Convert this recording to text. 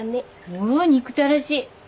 おー憎たらしい。